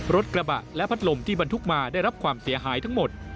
รถกระบะและพัดลมที่บรรทุกมาได้รับความเสียหายทั้งหมด